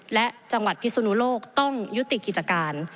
และจังหวัดพิศนุโลกต้องยุติกิจการ